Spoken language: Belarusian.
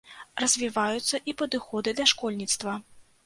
Развіваюцца і падыходы да школьніцтва.